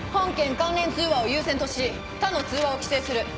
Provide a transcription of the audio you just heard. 関連通話を優先とし他の通話を規制する。